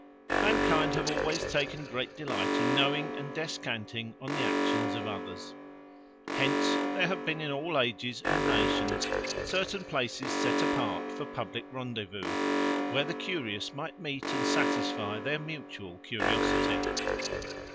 Mankind have always taken great delight in knowing and descanting on the actions of others. Hence there have been, in all ages and nations, certain places set apart for public rendezvous, where the curious might meet and satisfy their mutual curiosity.